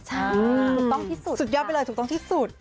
ใช่สุดยอดไปเลยถูกต้องที่สุด